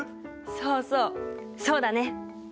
そうそうそうだね。